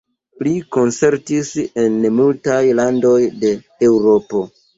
Li koncertis en multaj landoj de Eŭropo.